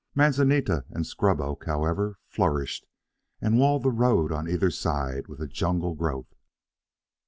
Manzanita and scrub oak, however, flourished and walled the road on either side with a jungle growth.